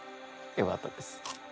よかったです。